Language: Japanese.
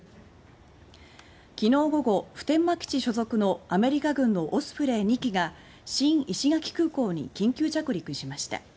昨日午後、普天間基地所属のアメリカ軍のオスプレイ２機が新石垣空港に緊急着陸しました。